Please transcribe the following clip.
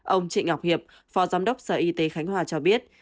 ông trịnh ngọc hiệp phó giám đốc sở y tế khánh hòa cho biết